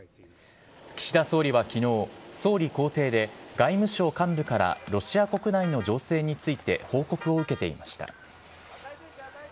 岸田総理はきのう、総理公邸で、外務省幹部からロシア国内の情勢について報告を受けていました。